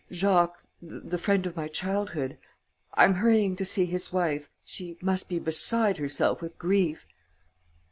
"Jacques, the friend of my childhood. I'm hurrying to see his wife. She must be beside herself with grief."